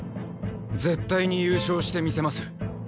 絶対に優勝してみせます。